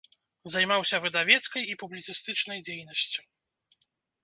Займаўся выдавецкай і публіцыстычнай дзейнасцю.